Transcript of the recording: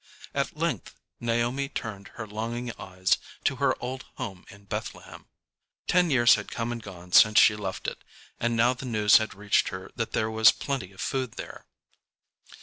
At length, Naomi turned her longing eyes to her old home in Bethlehem. Ten years had come and gone since she left it, and now the news had reached her that there was plenty of food there.